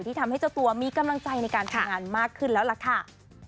ทำให้เจ้าตัวมีกำลังใจในการทำงานมากขึ้นแล้วล่ะค่ะ